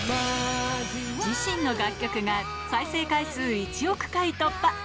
自身の楽曲が再生回数１億回突破。